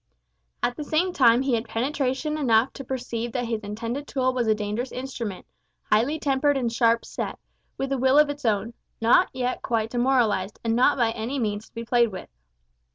At the same time he had penetration enough to perceive that his intended tool was a dangerous instrument, highly tempered and sharp set, with a will of its own, not yet quite demoralised, and not by any means to be played with.